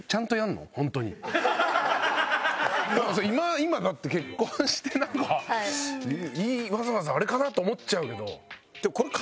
今だって結婚してなんかわざわざあれかな？と思っちゃうけど。